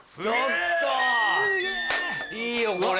いいよこれ。